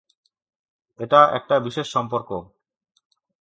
এটা একটা বিশেষ সম্পর্ক।